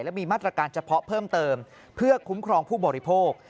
และมีมาตรการเฉพาะเพิ่มเติมเพื่อคุ้มครองผู้บริโภค